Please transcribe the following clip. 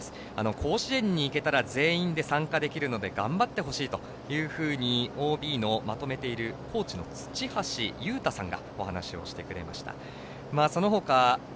甲子園にいけたら全員で参加できるので頑張ってほしいとＯＢのまとめているコーチのつちはしゆうたさんがお話をしてくれました。